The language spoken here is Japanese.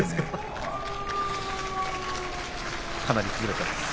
かなり崩れています。